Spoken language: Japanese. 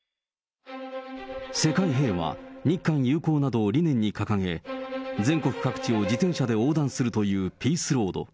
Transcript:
世界平和、日韓友好などを理念に掲げ、全国各地を自転車で横断するというピースロード。